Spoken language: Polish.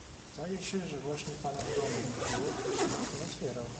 "Zdaje się, że właśnie pana w domu nie było, gdyż nikt nie otwierał."